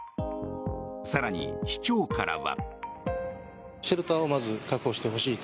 更に、市長からは。